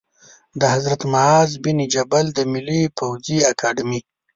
د حضرت معاذ بن جبل د ملي پوځي اکاډمۍ